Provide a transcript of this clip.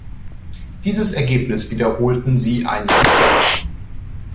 Dieses Ergebnis wiederholten sie ein Jahr später.